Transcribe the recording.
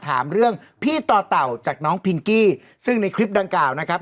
ถามเรื่องพี่ต่อเต่าจากน้องพิงกี้ซึ่งในคลิปดังกล่าวนะครับ